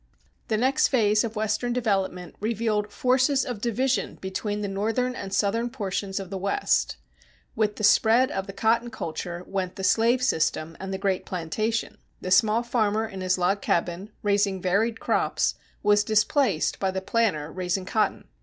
The next phase of Western development revealed forces of division between the northern and southern portions of the West. With the spread of the cotton culture went the slave system and the great plantation. The small farmer in his log cabin, raising varied crops, was displaced by the planter raising cotton.